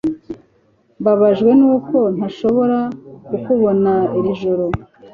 Mbabajwe nuko ntashobora kukubona iri joro